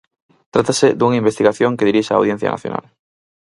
Trátase dunha investigación que dirixe a Audiencia Nacional.